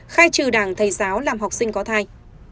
khai trừ đảng thầy giáo làm học sinh có thai